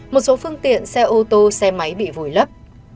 một số phương tiện xe ô tô xe máy bị vùi lấp